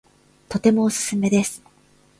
とてもおすすめです